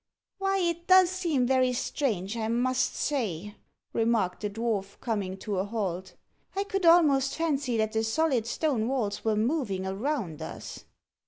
"Why, it does seem very strange, I must say," remarked the dwarf, coming to a halt. "I could almost fancy that the solid stone walls were moving around us."